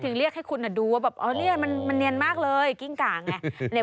ถึงเรียกให้คุณดูว่าแบบมันเนียนมากเลยกิ้งกะไง